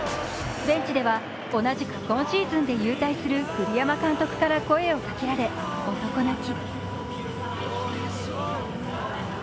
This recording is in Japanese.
ベンチでは同じく今シーズンで勇退する栗山監督から声をかけられ、男泣き。